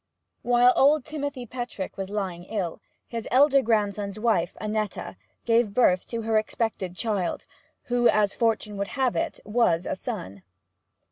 While old Timothy Petrick was lying ill, his elder grandson's wife, Annetta, gave birth to her expected child, who, as fortune would have it, was a son.